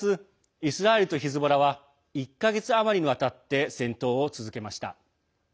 イスラエルとヒズボラは１か月余りにわたって戦闘を続けました。